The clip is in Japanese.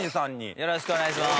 よろしくお願いします。